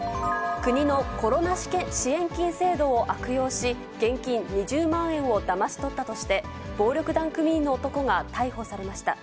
国のコロナ支援金制度を悪用し、現金２０万円をだまし取ったとして、暴力団組員の男が逮捕されました。